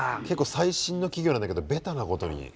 結構最新の企業なんだけどベタなことに。